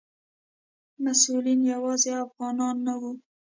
مسؤلین یوازې افغانان نه وو.